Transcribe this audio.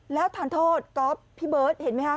แล้วทานโทษก็พี่เบิดเห็นไหมค่ะ